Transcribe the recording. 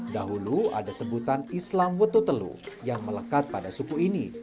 dahulu ada sebutan islam wetutelu yang melekat pada suku ini